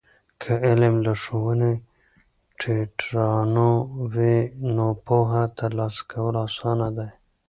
که علم له ښوونه ټیټرانو وي، نو پوهه ترلاسه کول آسانه دی.